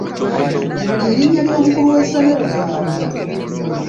Lino ly’erinnya ly’omukulu w'essomero lyabwe.